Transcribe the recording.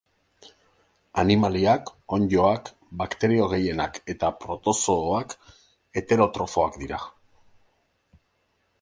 Animaliak, onddoak, bakterio gehienak eta protozooak heterotrofoak dira.